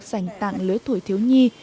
dành tặng lưới tuổi thiếu nhi